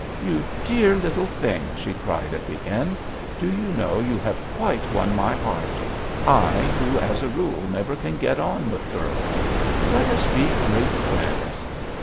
" You dear little thing I " she cried, at the end ;" do you know you have quite won my heart — I who, as a rule, never can get on with girls? Let us be great friends."